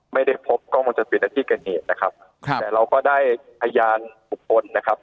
ไม่ได้พบกล้องวงจรปิดและที่กระเนียดนะครับครับแต่เราก็ได้พยานอุปนต์นะครับ